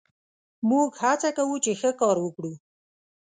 موږ هڅه کوو، چې ښه کار وکړو.